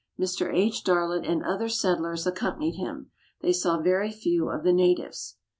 Mr. H. Darlot and other settlers accompanied him ; they saw very few of the natives.